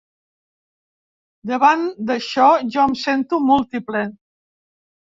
Davant d'això jo em sento múltiple.